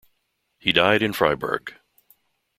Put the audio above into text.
He died in Freiburg.